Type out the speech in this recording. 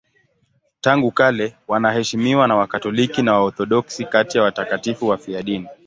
Tangu kale wanaheshimiwa na Wakatoliki na Waorthodoksi kati ya watakatifu wafiadini.